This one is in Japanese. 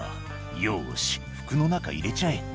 「よし服の中入れちゃえ」